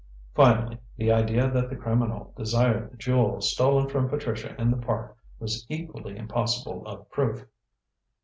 Finally, the idea that the criminal desired the jewel stolen from Patricia in the Park was equally impossible of proof.